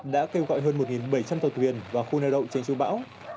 đã kêu gọi hơn một bảy trăm linh tàu thuyền và khu nèo đậu trên trung bão